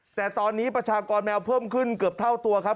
แต่ตอนนี้ประชากรแมวเพิ่มขึ้นเกือบเท่าตัวครับ